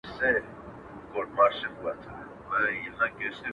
تر ديواله لاندي ټوټه” د خپل کفن را باسم”